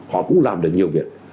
họ cũng làm được nhiều việc